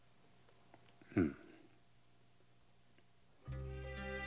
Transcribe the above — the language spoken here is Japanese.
うん。